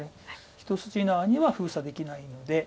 一筋縄には封鎖できないので。